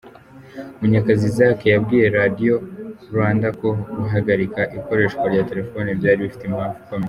Munyakazi Isaac, yabwiye Radiyo Rwanda ko guhagarika ikoreshwa rya telefoni byari bifite impamvu ikomeye.